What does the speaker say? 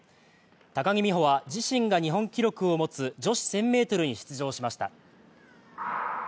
高木美帆は自身が日本記録を持つ女子１０００ｍに出場しました。